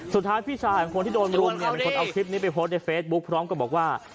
พี่ชายของคนที่โดนรุมเนี่ยเป็นคนเอาคลิปนี้ไปโพสต์ในเฟซบุ๊คพร้อมกับบอกว่า